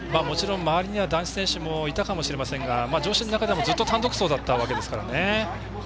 もちろん周りには男子の選手もいますが女子の中でも、ずっと単独走だったわけですからね。